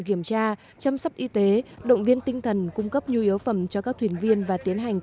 kiểm tra chăm sóc y tế động viên tinh thần cung cấp nhu yếu phẩm cho các thuyền viên và tiến hành